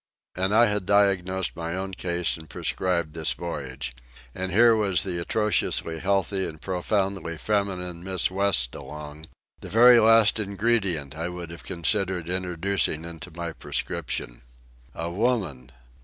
And I had diagnosed my own case and prescribed this voyage. And here was the atrociously healthy and profoundly feminine Miss West along—the very last ingredient I would have considered introducing into my prescription. A woman!